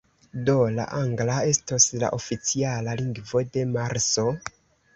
Do, la angla estos la oficiala lingvo de Marso?